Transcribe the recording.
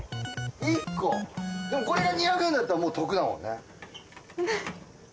でもこれが２００円だったら得だもんね。